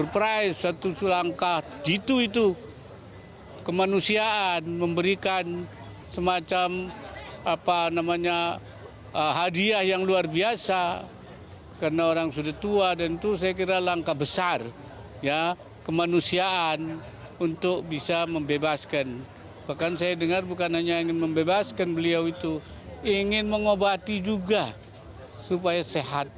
bahkan saya dengar bukan hanya ingin membebaskan beliau itu ingin mengobati juga supaya sehat